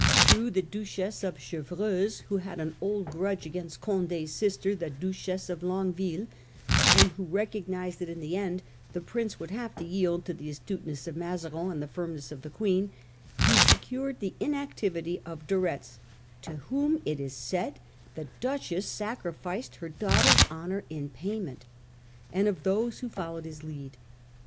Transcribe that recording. Through the Duchess of Chevreuse, who had an old grudge against Condd's sister the Duchess of Longueville, and who recognised that in the end the Prince would have to i 649 Condt estranges the Noblesse; his Treason. 51 yield to the astuteness of Mazarin and the firmness of the Queen, he secured the inactivity of De Retz (to whom, it is said, the Duchess sacrificed her daughter's honour in payment), and of those who followed his lead.